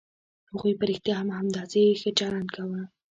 هغوی په رښتيا هم همداسې ښه چلند کاوه.